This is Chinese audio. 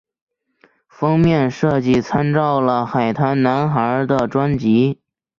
封面设计参照了海滩男孩的专辑。